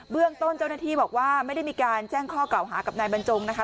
เรื่องต้นเจ้าหน้าที่บอกว่าไม่ได้มีการแจ้งข้อกล่าวหากับนายบรรจงนะคะ